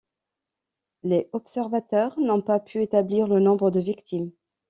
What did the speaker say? Les observateurs n'ont pas pu établir le nombre de victimes.